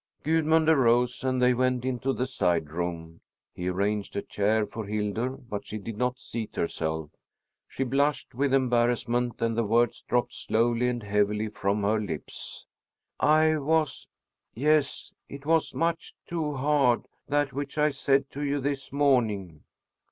Gudmund arose, and they went into the side room. He arranged a chair for Hildur, but she did not seat herself. She blushed with embarrassment, and the words dropped slowly and heavily from her lips. "I was yes, it was much too hard that which I said to you this morning."